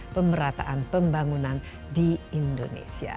pemerataan pembangunan di indonesia